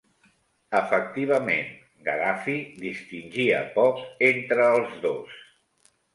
Efectivament, Gaddafi distingia poc entre els dos.